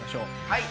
はい。